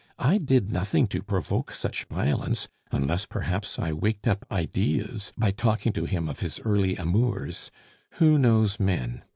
I did nothing to provoke such violence, unless, perhaps, I waked up ideas by talking to him of his early amours. Who knows men?